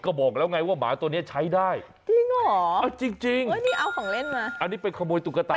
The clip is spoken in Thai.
ก็บอกแล้วไงว่าหมาตัวเนี้ยใช้ได้จริงเหรอเอาจริงจริงนี่เอาของเล่นมาอันนี้ไปขโมยตุ๊กตา